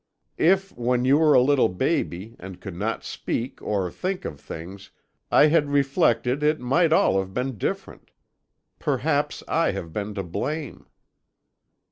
If, when you were a little baby, and could not speak or think of things, I had reflected, it might all have been different. Perhaps I have been to blame.'